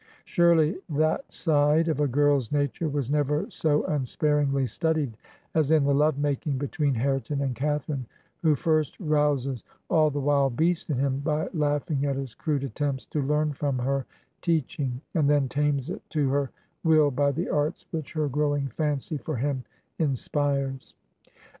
Sure ly that side of a girl's nature was never so unsparingly studied as in the love making between Hareton and Catharine, who first rouses all the wild beast in him by laughing at his crude attempts to learn from her teach ing, and then tames it to her will by the arts which her growing fancy for him inspires.